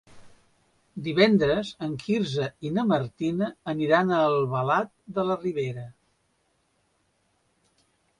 Divendres en Quirze i na Martina aniran a Albalat de la Ribera.